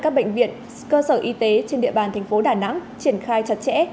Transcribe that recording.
các bệnh viện cơ sở y tế trên địa bàn thành phố đà nẵng triển khai chặt chẽ